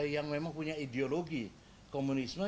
yang memang punya ideologi komunisme